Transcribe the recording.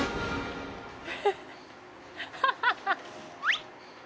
「ハハハ！」